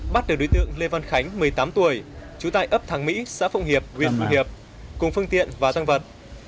bắt được đối tượng lê văn khánh một mươi tám tuổi trú tại ấp thắng mỹ xã phụng hiệp huyện hòa hiệp cùng phương tiện và tăng vật